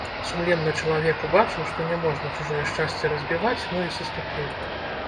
Сумленны чалавек убачыў, што не можна чужое шчасце разбіваць, ну і саступіў.